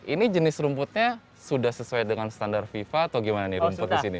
ini jenis rumputnya sudah sesuai dengan standar viva atau gimana nih rumputnya